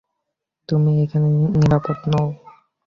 তুমি এখানে নিরাপদ নও।